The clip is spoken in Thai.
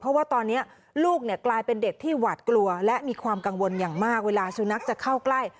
เพราะว่าตอนนี้ลูกเนี่ยกลายเป็นเด็กที่หวาดกลัวและมีความกังวลอย่างมากเวลาสุนัขจะเข้าใกล้